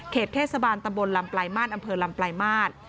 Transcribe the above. เขตเทศบาลตะบลลำปลายมาสอำเภอลำปลายมาส